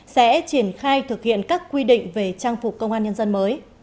sẽ triển khai thực hiện các quy định về trang phục công an nhân dân mới